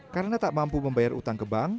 karena tak mampu membayar utang ke bank